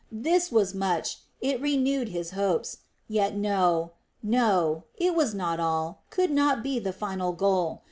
This was much, it renewed his hopes; yet, no, no it was not all, could not be the final goal.